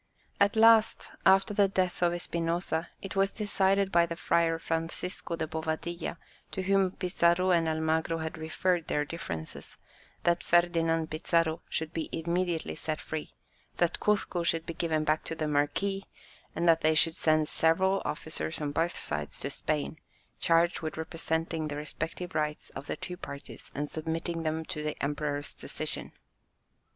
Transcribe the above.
At last, after the death of Espinosa, it was decided by the friar Francisco de Bovadilla, to whom Pizarro and Almagro had referred their differences, that Ferdinand Pizarro should be immediately set free, that Cuzco should be given back to the marquis, and that they should send several officers on both sides to Spain, charged with representing the respective rights of the two parties and submitting them to the emperor's decision.